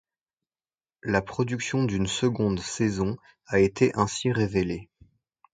La production d'une seconde saison a été ainsi révélée.